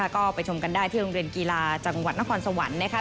ก็ไปชมกันได้ที่โรงเรียนกีฬาจังหวัดนครสวรรค์นะคะ